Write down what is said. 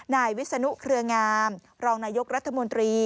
นายวิศนุเครืองามรองนายกรัฐมนตรี